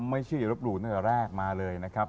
ไม่ใช่อยรบหลู่ตั้งแต่แรกมาเลยนะครับ